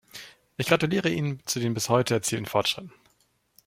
Ich gratuliere Ihnen zu den bis heute erzielten Fortschritten.